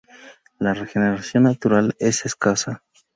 La regeneración natural es escasa.